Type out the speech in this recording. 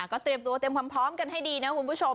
ก็เตรียมตัวเตรียมความพร้อมกันให้ดีนะคุณผู้ชม